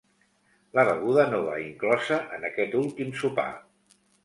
La beguda no va inclosa en aquest últim sopar.